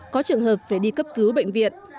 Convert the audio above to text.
có trường hợp phải đi cấp cứu bệnh viện